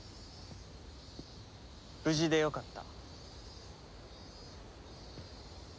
無事でよかった。